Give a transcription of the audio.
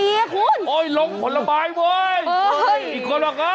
โอ้โหโอ้โหโอ้โห